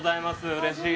うれしい。